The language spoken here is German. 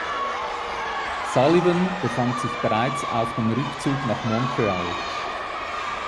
Sullivan befand sich bereits auf dem Rückzug nach Montreal.